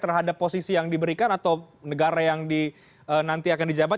terhadap posisi yang diberikan atau negara yang nanti akan dijabat